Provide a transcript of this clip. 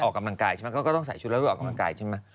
ก็ต้องใส่ชุดระรูปออกกำลังกายใช่มั้ย